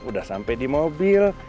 udah sampe di mobil